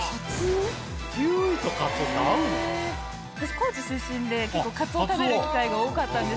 私高知出身でカツオ食べる機会が多かったんですけど